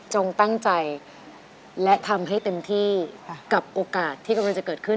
จงตั้งใจและทำให้เต็มที่กับโอกาสที่กำลังจะเกิดขึ้น